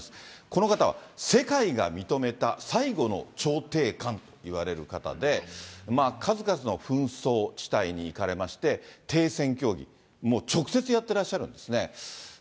この方は世界が認めた最後の調停官といわれる方で、数々の紛争地帯に行かれまして、停戦協議、もう直接やってらっしゃるんですね。